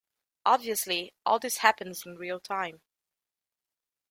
Obviously, all this happens in real-time.